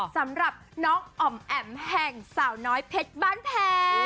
สำหรับน้องอ๋อมแอ๋มแห่งสาวน้อยเพชรบ้านแพ้